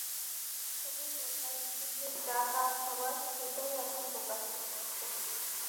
সবুর কর, তাঁর ভিতর দিয়ে যা কাজ হবার, সেইটা এখন প্রকাশ হচ্ছে।